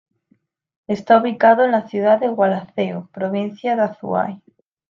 Está ubicado en la ciudad de Gualaceo, provincia de Azuay.